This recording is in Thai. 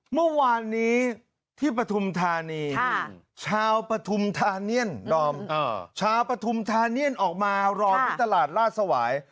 เมื่อวานนี้ที่ประธุมธานีชาวประธุมธานียนต์ออกมารอบที่ตลาดราชสวาย